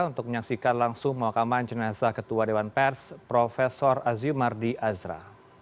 untuk menyaksikan langsung pemakaman jenazah ketua dewan pers prof azimardi azra